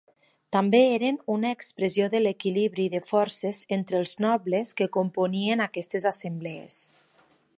També eren una expressió de l'equilibri de forces entre els nobles que componien aquestes assemblees.